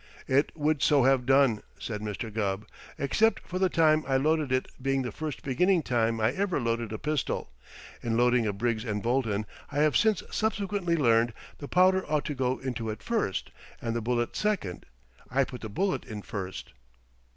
"It would so have done," said Mr. Gubb, "except for the time I loaded it being the first beginning time I ever loaded a pistol. In loading a Briggs & Bolton, I have since subsequently learned, the powder ought to go into it first, and the bullet second. I put the bullet in first."